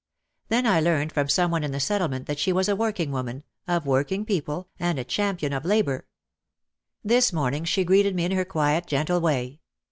Then I learned from some one in the Settlement that she was a working woman, of work ing people, and a champion of labour. This morning she greeted me in her quiet gentle way.